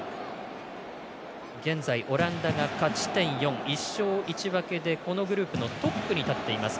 現在、オランダが勝ち点４、１勝１分けでこのグループのトップに立っています。